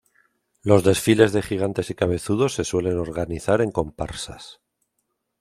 Los desfiles de gigantes y cabezudos se suelen organizar en comparsas.